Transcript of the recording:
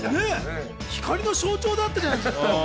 光の象徴だったじゃない。